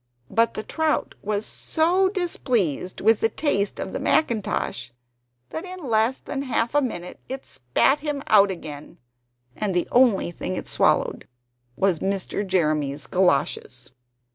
But the trout was so displeased with the taste of the mackintosh, that in less than half a minute it spat him out again; and the only thing it swallowed was Mr. Jeremy's galoshes.